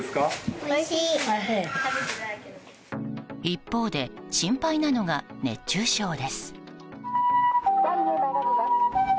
一方で、心配なのが熱中症です。